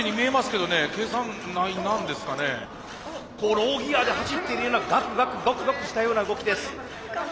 ローギヤで走っているようなガクガクガクガクしたような動きです。